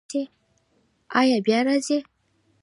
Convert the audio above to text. ایا بیا راځئ؟